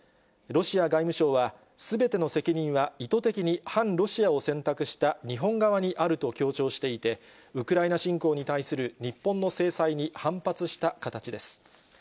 ロシア外務省は、すべての責任は意図的に反ロシアを選択した日本側にあると強調していて、ウクライナ侵攻に対する日本の制裁に反発した形です。